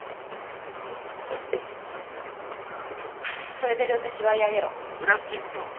それで両手縛り上げろ。